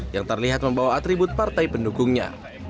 yang terlihat membawa atribut partai pendukungnya